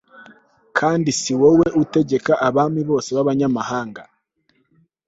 kandi si wowe utegeka abami bose babanyamahanga